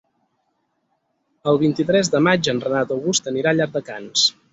El vint-i-tres de maig en Renat August anirà a Llardecans.